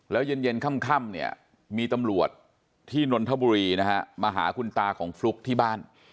แล้วเย็นค่ำเนี่ยมีตำรวจที่นนทบุรีนะฮะมาหาคุณตาของฟลุ๊กที่บ้าน